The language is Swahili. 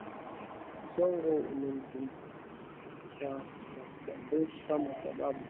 Msongo umetambulika kwa muda mrefu kama sababu kubwa